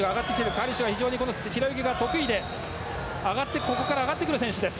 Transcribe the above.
カリシュは非常に平泳ぎが得意でここから上がってくる選手です。